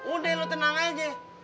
udah lu tenang aja